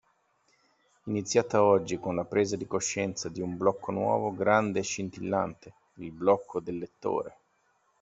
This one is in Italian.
Iniziata oggi con la presa di coscienza di un blocco nuovo, grande e scintillante: il blocco del lettore.